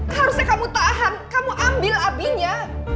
harusnya kamu tahan kamu ambil abinya